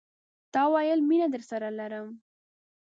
تا ویل، میینه درسره لرم